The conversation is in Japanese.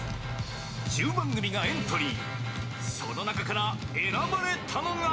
１０番組がエントリー。